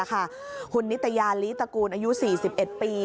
คุณนิตยาลีตระกูลอายุ๔๑ปี